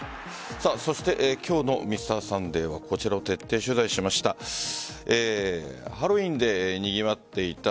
そして今日の「Ｍｒ．サンデー」はこちらを徹底取材しました。